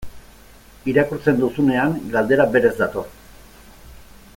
Irakurtzen duzunean, galdera berez dator.